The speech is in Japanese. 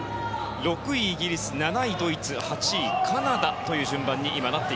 ６位、イギリス７位、ドイツ８位カナダという順番です。